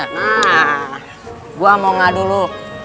nah gua mau ngadu lu